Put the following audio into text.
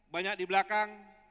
banyak di belakang